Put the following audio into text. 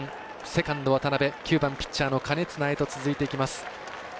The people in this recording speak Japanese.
セカンド渡辺９番、ピッチャーの金綱へとつないでいきます。